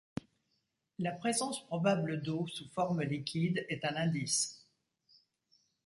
La présence probable d’eau sous forme liquide est un indice.